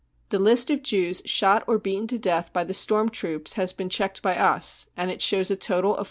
The list of Jews shot or beaten to death by the storm troops has been checked by us, and it shows # a total of 43.